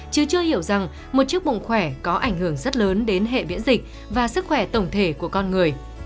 chứ chưa hiểu rằng một chiếc bụng khỏe có ảnh hưởng rất lớn đến hệ biễn dịch và sức khỏe tổng thể của con người